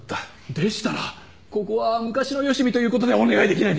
でしたらここは昔のよしみということでお願いできないでしょうか？